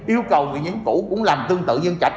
yêu cầu quyền dịch vụ cũng làm tương tự như chạch